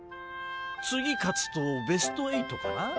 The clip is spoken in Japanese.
次勝つとベスト８かな？